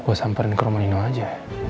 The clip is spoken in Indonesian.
gue samperin qua rumah nino aja